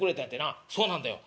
「そうなんだよ。